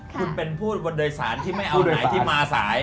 คุณเป็นผู้โดยสารที่ไม่เอาไหนที่มาสาย